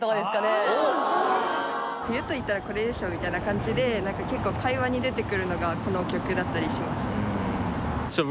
冬といったらこれでしょみたいな感じで結構会話に出てくるのがこの曲だったりします。